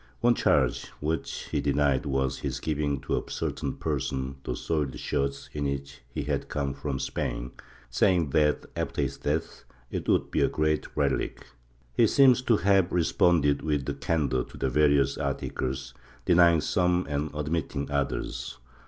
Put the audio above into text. One charge, which he denied, was his giving to a certain person the soiled shirt in which he had come from Spain, saying that, after his death, it would be a great relic. He seems to have responded with candor to the various articles, denying some and admitting others.